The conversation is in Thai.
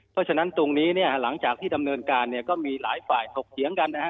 เพราะฉะนั้นตรงนี้เนี่ยหลังจากที่ดำเนินการเนี่ยก็มีหลายฝ่ายถกเถียงกันนะฮะ